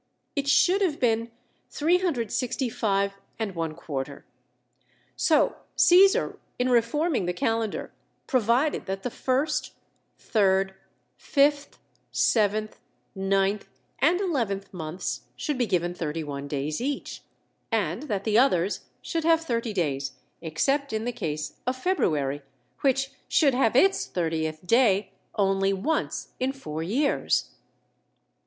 It should have been 365¼. So Caesar in reforming the calendar, provided that the first, third, fifth, seventh, ninth, and eleventh months should be given thirty one days each, and that the others should have thirty days, except in the case of February which should have its thirtieth day only once in four years.